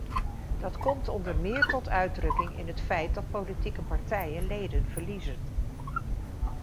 Dat komt onder meer tot uitdrukking in het feit dat politieke partijen leden verliezen.